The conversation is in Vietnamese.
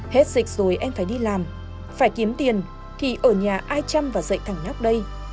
hết dịch rồi em phải đi làm phải kiếm tiền thì ở nhà ai chăm và dạy thẳng nóc đây